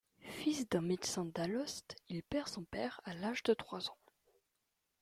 Fils d'un médecin d'Alost, il perd son père à l'âge de trois ans.